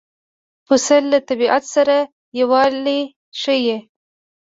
پسه له طبیعت سره یووالی ښيي.